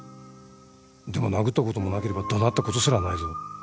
でも殴ったこともなければ怒鳴ったことすらないぞ